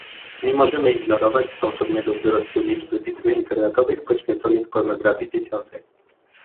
Nie możemy ignorować gwałtownego wzrostu liczby witryn internetowych poświęconych pornografii dziecięcej